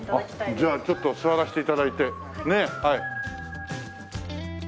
じゃあちょっと座らせて頂いてねえ。